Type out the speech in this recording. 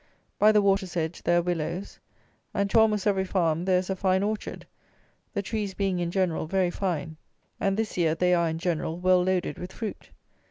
By the water's edge there are willows; and to almost every farm there is a fine orchard, the trees being, in general, very fine, and, this year, they are, in general, well loaded with fruit.